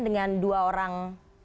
dengan dua orang